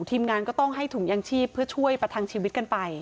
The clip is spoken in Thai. ทีมงานก็ต้องให้ถุงยางชีพเพื่อช่วยประทังชีวิตกันไป